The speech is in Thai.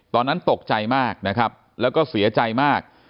ตอนนั้นตกใจมากนะครับแล้วก็เสียใจมาก